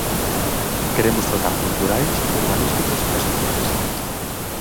Queremos tratar culturais, urbanísticos e sociais.